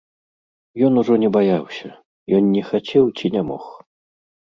Ён ужо не баяўся, ён не хацеў ці не мог.